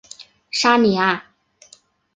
沙尼阿。